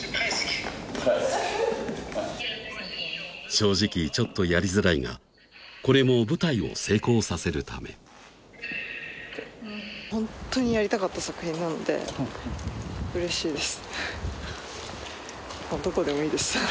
正直ちょっとやりづらいがこれも舞台を成功させるため本当にやりたかった作品なのでうれしいです